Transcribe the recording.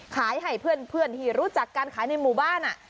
ให้เพื่อนที่รู้จักการขายในหมู่บ้าน